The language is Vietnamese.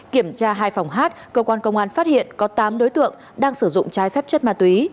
kiểm tra hai phòng hát cơ quan công an phát hiện có tám đối tượng đang sử dụng trái phép chất ma túy